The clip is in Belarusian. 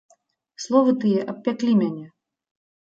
Словы тыя абпяклі мяне.